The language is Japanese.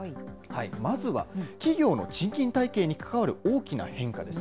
まずは、企業の賃金体系に関わる大きな変化です。